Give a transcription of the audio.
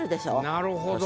なるほど。